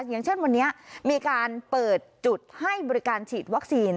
อย่างเช่นวันนี้มีการเปิดจุดให้บริการฉีดวัคซีน